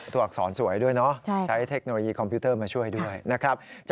อักษรสวยด้วยเนาะใช้เทคโนโลยีคอมพิวเตอร์มาช่วยด้วยนะครับ